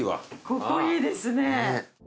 ここいいですね。